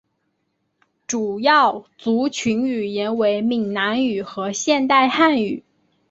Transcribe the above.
主要族群语言为闽南语和现代汉语。